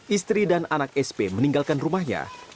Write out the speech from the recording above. istri dan anak sp meninggalkan rumahnya